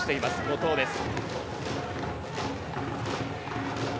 後藤です。